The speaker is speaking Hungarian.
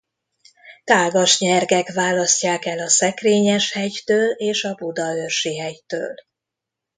Tágas nyergek választják el a Szekrényes-hegytől és a Budaörsi-hegytől.